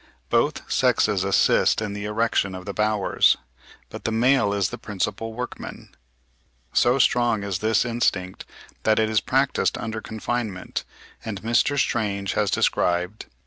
Both sexes assist in the erection of the bowers, but the male is the principal workman. So strong is this instinct that it is practised under confinement, and Mr. Strange has described (60.